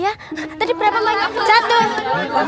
iya tadi berapa lagi